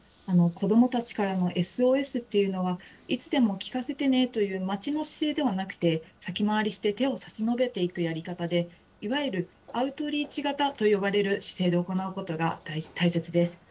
子どもたちからのＳＯＳっていうのは、いつでも聞かせてねという待ちの姿勢ではなくて、先回りして手を差し伸べていくやり方で、いわゆるアウトリーチ型と呼ばれる姿勢で行うことが大切です。